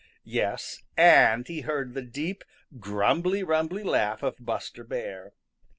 Yes, and he heard the deep, grumbly rumbly laugh of Buster Bear.